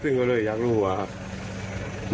ซึ่งก็เลยอยากรู้อะครับ